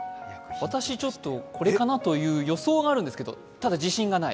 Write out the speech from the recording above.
私ちょっとこれかなという予想があるんですが自信がない。